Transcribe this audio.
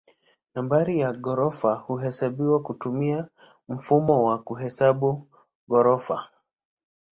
Nambari ya ghorofa huhesabiwa kutumia mfumo wa kuhesabu ghorofa.